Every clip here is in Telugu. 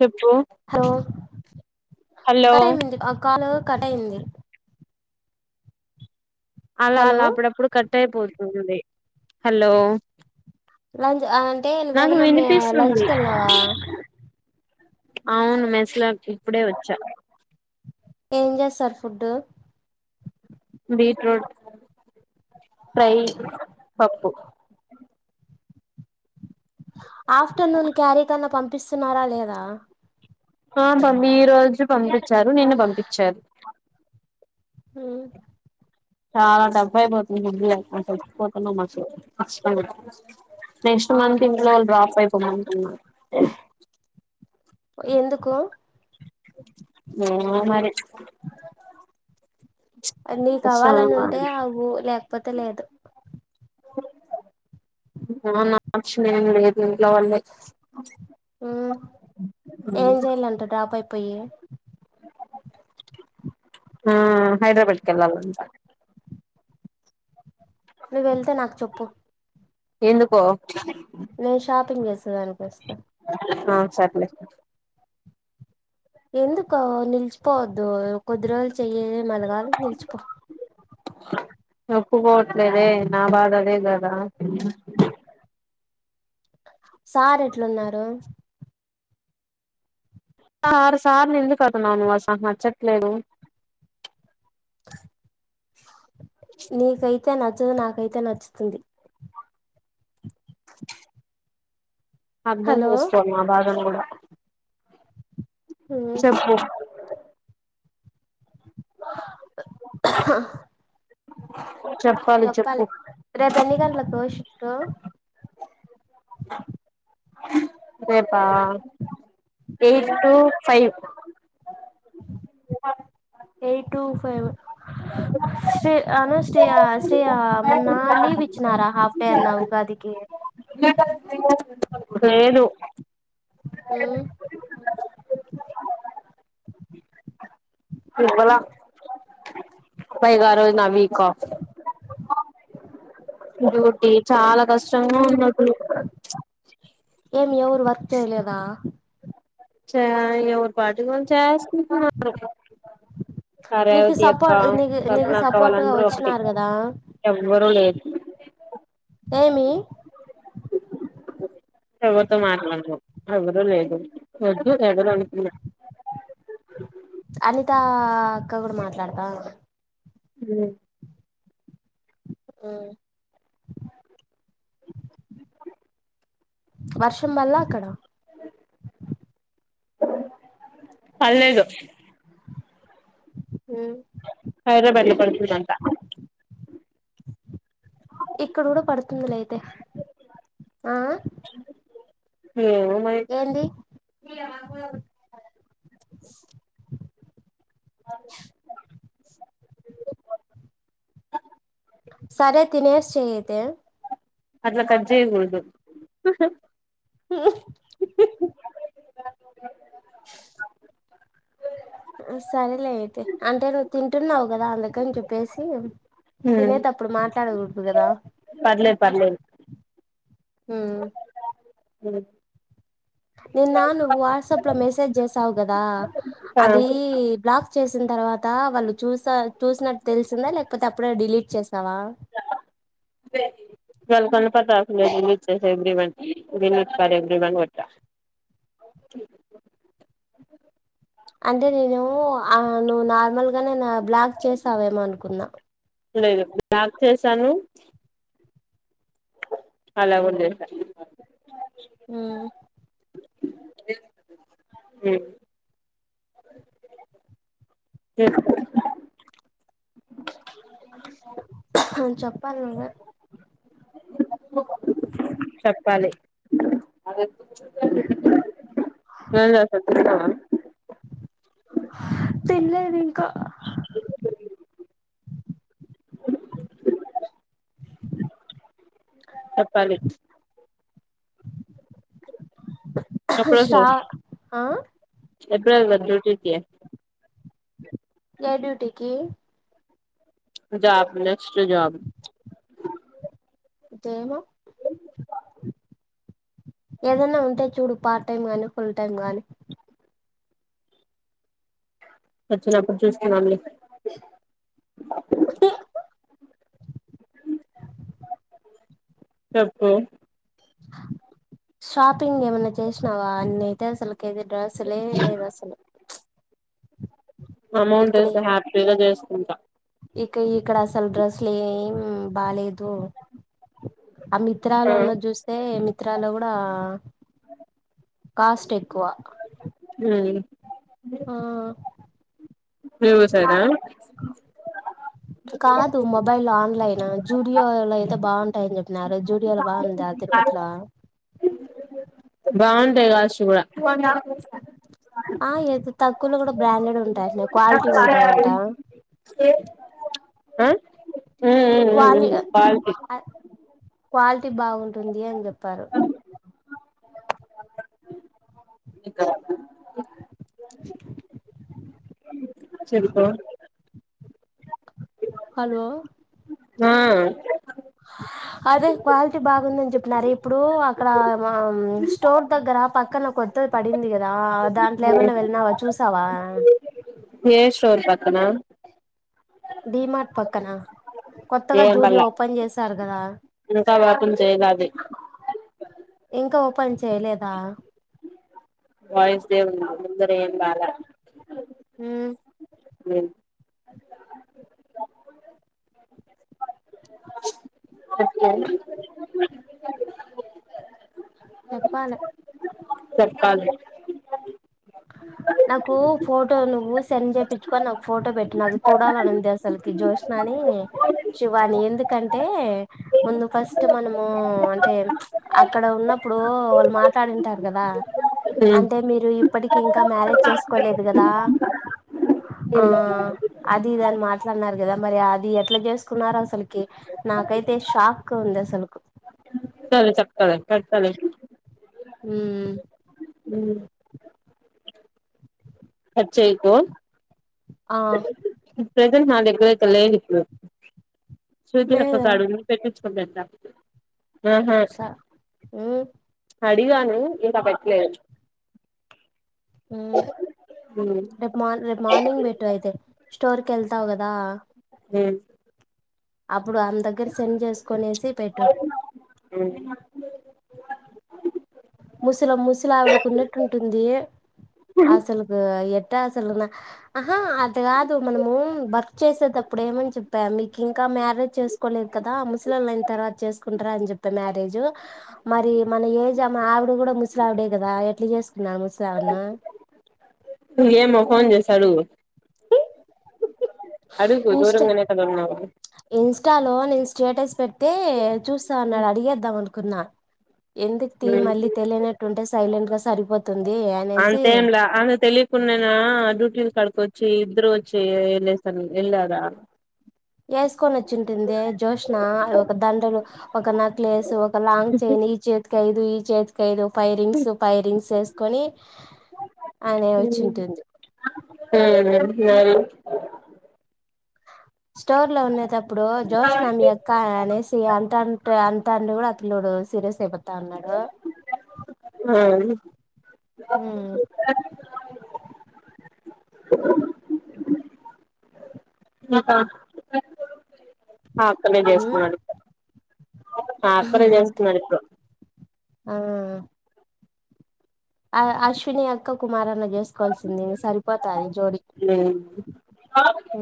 చెప్పు హలో హలో కట్ అయిపోయింది కాల్ కట్ అయింది అలా హలో అలా అప్పుడప్పుడు క ట్ ఐపోతుంది లంచ్ అంటే నాకు వేరే నమ్మి వినిపిస్తుంది లంచ్కి వెళ్ళినావా అవును మెస్లోకి ఇప్పుడే వచ్చా ఏం చేస్తారు ఫుడ్డు బీట్రూట్ ఫ్రై పప్పు ఆఫ్టర్నూన్ క్యారీ కన్న పం ప్పిస్తున్నారా లేదా ఆ పంపి ఈ రోజు పంపి చ్చారు నిన్న పంపిచ్చారు మ్ చాలా డబ్బు అయిపోతుంది మందులకు అసలు [inaudible] నెక్స్ట్ మంత్ ఇంట్లో వాళ్లు డ్రాపై పో మంటున్నారు ఎందుకు ఏమో మరి ఆ నీకు అవాలని ఉంటే అవ్ లేకపో తే లేదు ఆ నా ఇష్టం ఏం లేదు ఇంట్లో వాళ్లే ఆ ఏం చెయాలంట డ్రాప్ అయిపోయి ఆ హైదరాబాద్ కెల్లాలి అంట నువ్వు వెళ్తే నాకు చెప్పు ఎందుకో నేను షాపింగ్ చేసేదానికి వస్తా ఆ సర్లే ఎందుకొ నిలిచిపోవద్దు కొద్ది రోజులు చేయి మళ్ళీ కావాలంటి నిలిచిపో ఒప్పుకోవట్లేదే నా బాధ అదే కదా సార్ ఎట్లున్నారు సార్ ఎందుకు అంటున్నావు నువ్వు అసల్ నచ్చట్లేదు [inaudible] నీకై అయితే నచ్చదు నాకైతే నచ్చుతుంది అర్థం హలో చేస్కో మా బాధని కుడా [inaudible] చెప్పు అ ఛహ చెప్పాలి చెప్పు ట రేపా page two five A two five స్త్రీ అను స్త్రీ మొన్న లీవ్ ఇచ్చినారా హాఫ్ డే అన్నా ఉగాదికి లేదు ఉమ్ ఇవ్వళ పైగ ఆ రోజు నా వీక్ ఆఫ్ డ్యూటి చాలా కష్టంగా ఉన్నట్టు ఏమి ఎవరు వర్క్ చేయలేద చ ఏవరి పాటికి చేస్ ఆ నీకు రేవతి అక్క సపోర్ట్ నీకు సప్న నీకు అక్క సపోర్ట్ గా వాళ్ళందరూ ఒకటి వచ్చినారు కదా ఎవ్వరు లేదు ఏమీ ఎవరితో మాట్లాడను ఎవ్వరు లేదు వద్దు ఎవరు అనుకున్నా అని తా అక్క కూడా మాట్లాడద రు ఉమ్ వర్షం బల్ల అక్కడ పడ్లేదు హుమ్ హైడ్రబాద్ లో పడుతుదంట ఇక్కడ కూడా పడుతుందిలే అయితే ఆ ఏమో మరి ఏండి మీరల అనుకున్నారు అ సరే తినేసి చేయి అయితే అట్ల కట్ చేయకూడదు ఊహ్ హ్ ష్ ఉమ్ సరేలే అయితే అంటే నువ్వు తింటున్నావు కదా అందుకని చెప్పేసి తినేతప్పుడు మాట్ ఉండకూడదుకదా పర్లేద్ పర్లేద్ హుమ్ నిన్నా నువ్వు వాట్సాప్ లో మెసేజ్ చేసావు కదా అదీ బ్లాక్ ఇచ్చేసిన్ తర్వాత వాళ్ళు చూసా చూసినట్టు తెలిసిందా లేకపోతే అప్పుడే డిలీట్ చేశావ గోళ్ కొ ప వి ఎవ్రి వన్ ఎవ్రివన్ కోట్ట అంటే నేను ఆ నువ్వు నార్మల్గా నేను బ్లాక్ చేసావేమో అనుకున్నా లాక్ చేసాను అలా ఉంజేశా ఊ ఉ చెప్పాలి నువ్వే చప్పాలి ఏం చేస్తావ్ తిన్నావా తినలేదు ఇంకా చెప్పాలి ష్రా ఆ ఎప్పుడెళ్తారు డ్యూటీ కి ఏ డ్యూటీకి జబ్ నెక్స్ట్ జాబ్ దేమో ఏదైనా ఉంటే చూడు పార్ట్ టైం గానీ ఫుల్ టైం గానీ వచ్చినప్పుడు చూస్తున్నాన్ లే చెప్పు స్వాప్ పింగ్ ఏమన్నా చేసినావా అన్ని అయితే అసలుకి ఏది డ్రస్లే లేదు అసలు అమౌంట్ ఇక్కడి వస్తే హ్యాపీగా చేస్ ఉంటా ఇక ఇక్కడ అసలు డ్రస్సులు ఏం బాలేదు ఆ మిత్రాలో అన్నా చూస్తే మి త్రాలో కూడా కాస్ట్ ఎక్కువ ఊ ఆ మీ ఊరు సయిడా కాదు మొబైల్ ఆన్లైన్ జూడియోలు అయితే బాగుంటాయని చెప్పినారు. జూడియోలు బాగుందా తిరుపతిల బావుంటాయి కాశ్ కూడా ఆ ఇత్ తక్కువలో కూడా బ్రాండెడ్ వి ఉంటయ్ సరే మరి [unintelligible] ఆ ఉమ్ మ్ క్వాలి మ్మ్ క్వాల్టీ క్వాలిటీ బాగుంటుంది అని చెప్పారు. ఇంకా [unintelligible] సరిపా హలో హ అదే క్వాలిటీ బాగుందని చెప్పినారే ఇప్పుడు అక్కడ ఆ స్టోర్ దగ్గర పక్కన కొత్తది పడింది కదా దాంట్లో ఏమైనా వెళ్ళినావా చూసావా ఏ షోర్ పక్కన డిమార్ట్ పక్కనా కొత్తగా ఏం జూడియో బల్లా ఓపెన్ చేస్ సర్గద ఇంకా ఓపెన్ చేయలే అది ఇంకా ఓపెన్ చేయలేదా వయిస్ దేవున్నా ముందర ఏం బాలే ఉ ఉ అకే చెప్పాలే సర్కాలది నాకు ఫోటో నువ్వు సెండ్ చేపించుకొని నాకు ఫోటో పెట్టి నా అది చూడాలనింది అసలుకి జ్యోష్నా ని శివాని ఎందుకంటే ముందు ఫస్ట్ మనము అంటే అక్కడ ఉన్నప్పుడు వాళ్ళు మాట్లాడింటారు కదా ఉమ్ అంటే మీరు ఇ ఇప్పటికి ఇంకా మ్యారేజ్ చేసుకోలేదు కదా ఆ అది ఇది అని మాట్లాడినారు కదా మరి అది ఎట్లా చేసుకున్నారో అసలుకి నాకైతే షాక్ ఉంది అసలుకు సరే చెప్తాలే పెడతాలే ఉ ఉ కట్ చేయకు ఆ ప్రెసెంట్ నా దగ్గర అయితే లేదు ఇప్పుడు శృతి అక్కతో లేదు అడుగు పెట్టిచ్చు గడ్డ స ఉ అడిగాను ఇంకా పెట్టలేదు ఉ రేపు మార్ రేపు మార్నింగ్ పెట్టు అయితే స్టోర్ కి వెళ్తావు కదా ఉ ఇప్పుడు ఆమె దగ్గర సెండ్ చేసుకునేసి పెట్టు ముసల ముసలావిడకున్నట్టు ఉంటుంది అసలుకు ఎట్ట అసలు ఆ అట్ల కాదు మనము వర్క్ చేసేటప్పుడు ఏమని చెప్పా మీకు ఇంకా మ్యారేజ్ చేసుకోలేదు కదా ముసలళ్లు అయిన తర్వాత చేసుకుంటారా అని చెప్పి మ్యారేజ్ మరి మన ఏజ్ అప్ మా ఆవిడ కూడా ముసలావిడే కదా ఎట్లా చేసుకున్నా ముసలావిడను ఏమో ఫోన్ చేసి అడుగు అడుగు ఇన్స్టా దూరంగానే కదన్నా ఇన్స్టాలో నేను స్టేటస్ పెడితే చూస్తా అన్నాడు అడిగేద్దాం అనుకున్నా ఎందుకు తీ ఉ మళ్ళీ తెలియనట్టుంటే సైలెంట్ గా సరిపోతుంది అనేసి అంతేంలా అంత తెలియకున్నానా డ్యూటీ కడుకి వచ్చి ఇద్దరూ వచ్చి ఎళ సన్ ఎల్లాద వేసుకొని వచ్చింటుంది జ్యోష్నా ఒక దండలు ఒక నెక్లెస్ ఒక లాంగ్ చైన్ ఈ చేతికిఐదు దు ఈ చేతికి ఐదు ఫైరింగ్స్ ఫైరింగ్స్ వేసుకొని అనే వచ్చింటుంది మ స్టోర్ లో ఉన్నేతప్ ప్పుడు జోష్ మి అక్క అనేసి అంటంటే ఆన్ డ్రి కూడా అట్లుండు సిరియస్ అయిపోతా ఉన్నాడు హా అా ఆక్కనే చేసుకున్నాడు ఆ అక్కనే చేసుకున్నాడు ఇప్పుడు ఆ అశ్విని అక్క కుమారన్న చేసుకోవాల్సింది సరిపోతాది జోడీ హు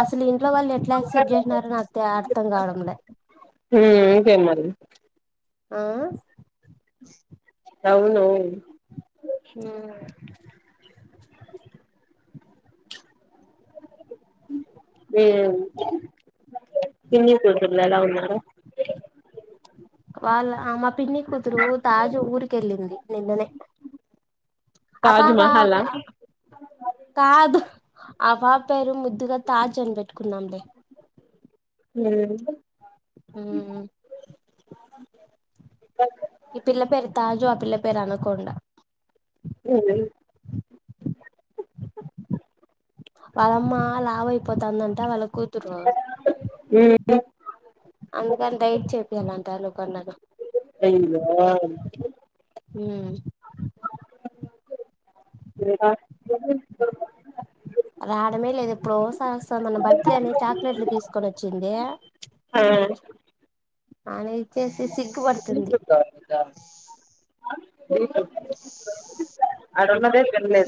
అసలు ఇంట్లో వాళ్ళు ఎట్లా యాక్సెప్ట్ చేసినారో నాకు అర్థం కావడంలే హు ఇంకేంది మరి హా అవును ఆ హు పిన్ని కూతుర్లు ఎలా ఉన్నారు వాళ్ళ ఆమ పిన్ని కూతురు తాజు ఊరికె వెళ్ళింది నిన్ననే అ తాజ్ పాపా మహలా కాదు ఆ పాపా పేరు ముద్దుగా తాజ్ అని పెెట్టుకున్నాంలే హు ఈ పిల్ల పేరు తాజు ఆ పిల్ల పేరు అనకొండ అవు వాళ్ళమ్మ లావు అయిపోతుందంట వాళ్ళ కూతురు అందుకని ైట్ చెపియాలంటా అయ్యో ఉమ్ ఇంకా రావడమే లేదు ఇప్పుడో ఓసారి వస్తది మన బర్త్డే అని చాక్లెట్లు తీసుకొని వచ్చింది అ చేసి సిగ్గు పడుతుంది నన్నదే పలే